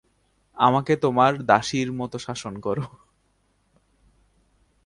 আমাকে তোমার দাসীর মতো শাসন করো।